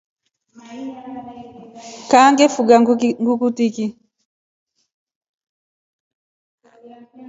Kaa ngefuga nguku tiki.